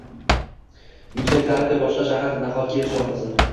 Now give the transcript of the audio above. Yuksak ta’rifga boshqa shahar nahotki erisha olmasa?